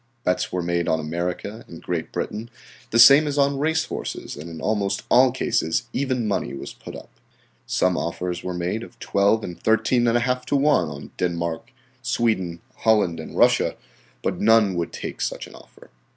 Bets were made on America and Great Britain, the same as on race horses, and in almost all cases even money was put up. Some offers were made of 12 and 13½ to 1 on Denmark, Sweden, Holland and Russia, but none would take such an offer.